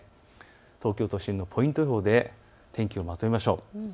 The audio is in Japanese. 東京都心のポイント予報で天気をまとめましょう。